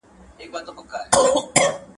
وقايه تر درملنې غوره ده.